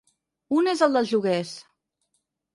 Un és el dels lloguers.